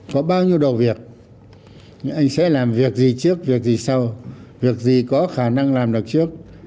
có bao nhiêu đầu việc anh sẽ làm việc gì trước việc gì sau việc gì có khả năng làm được trước